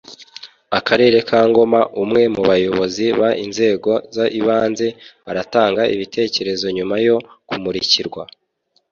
akarere ka ngoma umwe mu bayobozi b inzego z ibanze aratanga ibitekerezo nyuma yo kumurikirwa